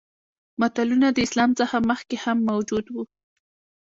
متلونه د اسلام څخه مخکې هم موجود وو